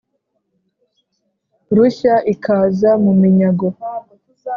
rushya ikaza mu minyago!